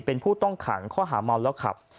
เป็นผู้ต้องขังข้อหาเมาแล้วขับ